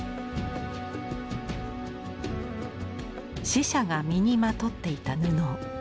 死者が身にまとっていた布。